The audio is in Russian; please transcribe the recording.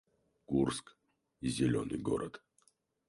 Курск — зелёный город